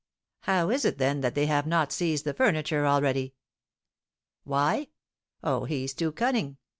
"How is it, then, that they have not seized the furniture already?" "Why? oh, he's too cunning!